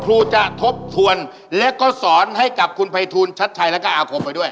ครูจะทบทวนและก็สอนให้กับคุณภัยทูลชัดชัยแล้วก็อาคมไปด้วย